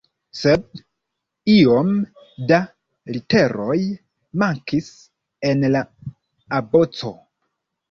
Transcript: Sed iom da literoj mankis en la aboco.